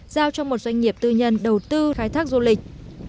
giao cho một doanh nghiệp tư nhân đầu tư khai thác du lịch